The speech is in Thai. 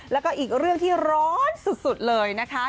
แล้วก็อีกเรื่องที่ร้อนสุดเลยนะคะ